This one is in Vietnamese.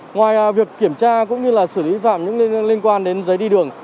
ngoài việc kiểm tra cũng như là xử lý phạm những liên quan đến giấy đi đường